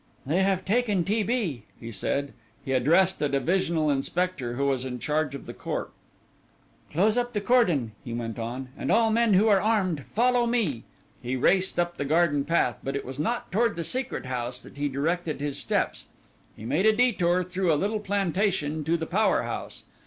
"They have taken T. B.," he said. He addressed a divisional inspector, who was in charge of the corps. "Close up the cordon," he went on, "and all men who are armed follow me." He raced up the garden path, but it was not toward the Secret House that he directed his steps; he made a detour through a little plantation to the power house.